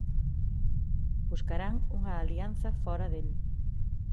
Buscarán unha alianza fóra del.